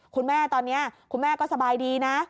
คุณแม่ตอนนี้คุณแม่ก็สบายดีนะ